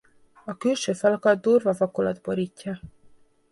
A külső falakat durva vakolat borítja.